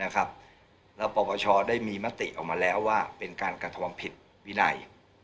แล้วปปชได้มีมติออกมาแล้วว่าเป็นการกระทำผิดวินัย